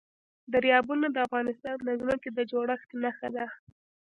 دریابونه د افغانستان د ځمکې د جوړښت نښه ده.